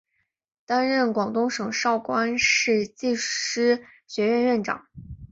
担任广东省韶关市技师学院院长。